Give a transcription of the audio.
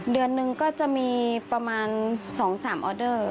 เดือนหนึ่งก็จะมีประมาณ๒๓ออเดอร์